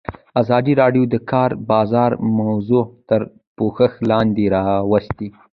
ازادي راډیو د د کار بازار موضوع تر پوښښ لاندې راوستې.